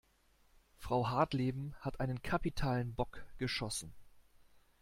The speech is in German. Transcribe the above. Frau Hartleben hat einen kapitalen Bock geschossen.